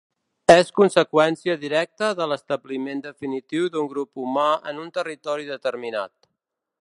És conseqüència directa de l'establiment definitiu d'un grup humà en un territori determinat.